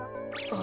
あ？